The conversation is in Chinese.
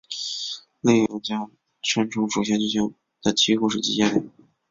另有将删除主线剧情的其余故事集结为。